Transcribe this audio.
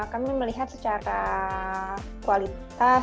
kami melihat secara kualitas